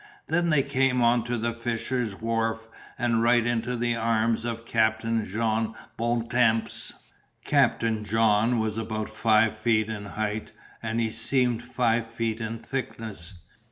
Then they came on to the fisher wharf and right into the arms of Captain Jean Bontemps. Captain Jean was about five feet in height and he seemed five feet in thickness.